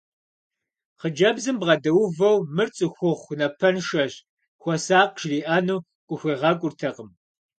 Хъыджэбзым бгъэдэувэу мыр цӏыхухъу напэншэщ, хуэсакъ жриӏэну къыхуегъэкӏуртэкъым…